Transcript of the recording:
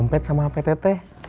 sompet sama ptt